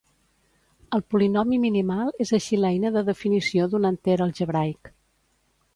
El polinomi minimal és així l'eina de definició d'un enter algebraic.